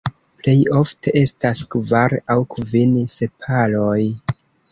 Plej ofte estas kvar aŭ kvin sepaloj.